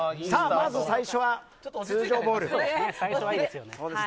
まず最初は白の通常ボール。